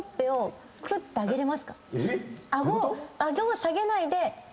顎を下げないで。